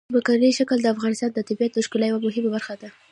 ځمکنی شکل د افغانستان د طبیعت د ښکلا یوه مهمه برخه ده.